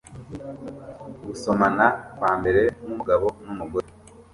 gusomana kwambere nkumugabo numugore!